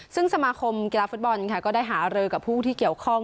ซึ่งสมาคมกีฬาฟุตบอลค่ะก็ได้หารือกับผู้ที่เกี่ยวข้อง